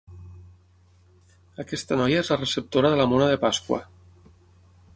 Aquesta noia és la receptora de la mona de Pasqua.